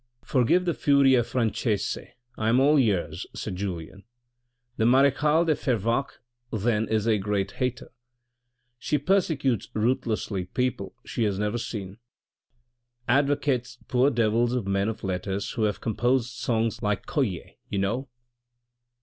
"Forgive the furia franchese ; I am all ears," said Julien. " The marechale de Fervaques then is a great hater ; she persecutes ruthlessly people she has never seen — advocates, poor devils of men of letters who have composed songs like Colle, you know